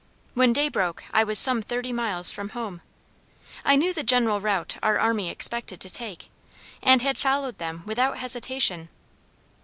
When day broke I was some thirty miles from home. I knew the general route our army expected to take, and had followed them without hesitation.